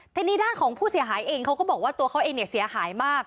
ทีนี้ด้านของผู้เสียหายเองเขาก็บอกว่าตัวเขาเองเนี่ยเสียหายมาก